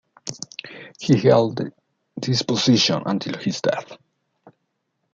He held this position until his death.